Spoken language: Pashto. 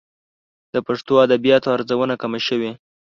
د پښتو ادبياتو ارزونه کمه شوې.